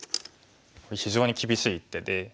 非常に厳しい一手で。